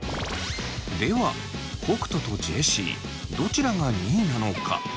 では北斗とジェシーどちらが２位なのか？